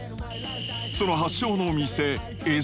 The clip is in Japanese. その発祥の店江